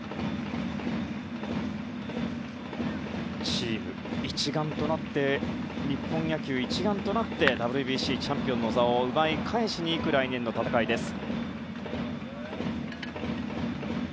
チーム一丸となって日本野球一丸となってＷＢＣチャンピオンの座を奪い返しに行く来年の戦いです。